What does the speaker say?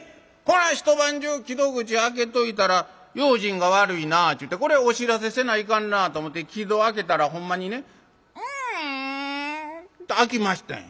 一晩中木戸口開けといたら用心が悪いなぁちゅうてこれお知らせせないかんなぁと思て木戸開けたらほんまにねキィって開きましたんや。